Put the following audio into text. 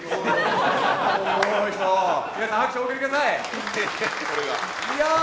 皆さん拍手をお送りください。